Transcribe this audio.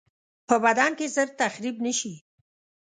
په بدن کې ژر تخریب نشي.